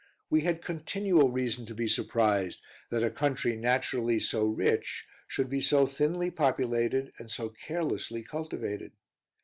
We had continual reason to be surprised, that a country naturally so rich should be so thinly populated and so carelessly cultivated.